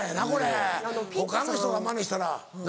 他の人がマネしたら何？